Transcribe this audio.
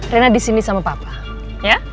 rena disini sama papa ya